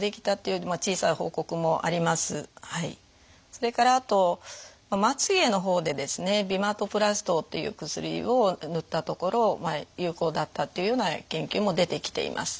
それからあとまつげの方でですねビマトプラストという薬を塗ったところ有効だったというような研究も出てきています。